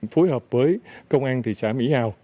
phối hợp với công an thị xã mỹ hào